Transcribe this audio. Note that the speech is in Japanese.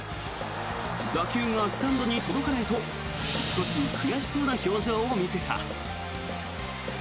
打球がスタンドに届かないと少し悔しそうな表情を見せた。